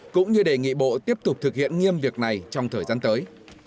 cũng như đề nghị bộ tiếp tục thực hiện nghiêm việc này trong thời gian tới